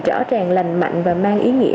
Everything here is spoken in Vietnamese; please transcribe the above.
rõ ràng lành mạnh và mang ý nghĩa